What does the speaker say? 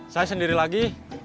saya sendiri lagi